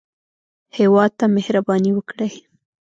هېواد ته مهرباني وکړئ